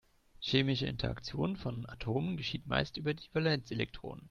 Chemische Interaktion von Atomen geschieht meist über die Valenzelektronen.